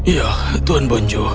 ya tuan bonjo